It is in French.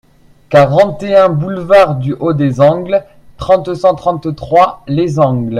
quarante et un boulevard du Haut des Angles, trente, cent trente-trois, Les Angles